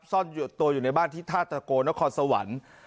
ซ่อนตัวอยู่ในบ้านที่ท่าตะโกนครสวรรค์